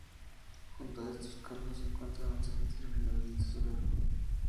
Junto a estos cargos se encuentran el Secretario General y el Tesorero.